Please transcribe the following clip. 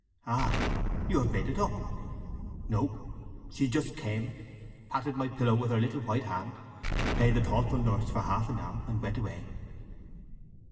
"Ah! You have made it up?" "No… She just came, patted my pillow with her little white hand, played the thoughtful nurse for half an hour, and went away."